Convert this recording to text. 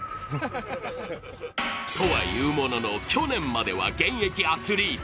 とはいうものの、去年までは現役アスリート。